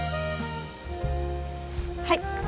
はい。